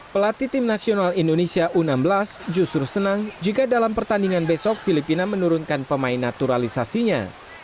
pelatih tim nasional indonesia u enam belas justru senang jika dalam pertandingan besok filipina menurunkan pemain naturalisasinya